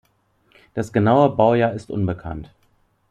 Das genaue Baujahr ist unbekannt.